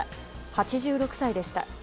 ８６歳でした。